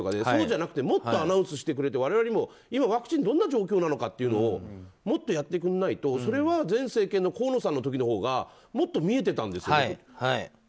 そうじゃなくてもっとアナウンスしてくれて我々にも今、ワクチンどんな状況なのかというのをもっとやってくれないとそれは前政権の河野さんのほうがもっと見えてたんですよね。